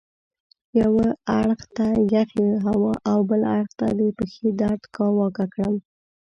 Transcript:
یوه اړخ ته یخې هوا او بل اړخ ته د پښې درد کاواکه کړم.